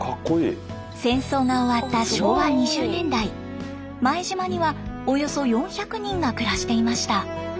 戦争が終わった昭和２０年代前島にはおよそ４００人が暮らしていました。